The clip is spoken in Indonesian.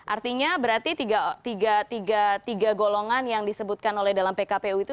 artinya berarti tiga golongan yang disebutkan oleh dalam pkpu itu